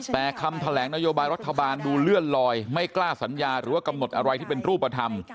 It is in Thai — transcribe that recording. แต่คำแถลงนโยบายรัฐบาลดูเลื่อนลอยไม่กล้าสัญญาหรือว่ากำหนดอะไรที่เป็นรูปธรรม